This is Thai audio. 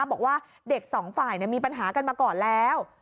บอกว่าเด็กสองฝ่ายมีปัญหากันมาก่อนแล้ว